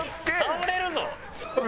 倒れるで！